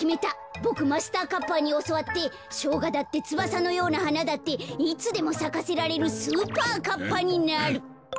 ボクマスターカッパーにおそわってしょうがだってつばさのようなはなだっていつでもさかせられるスーパーカッパになる。